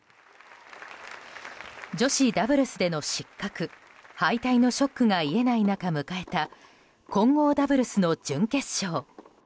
女子ダブルスでの失格・敗退のショックが癒えない中、迎えた混合ダブルスの準決勝。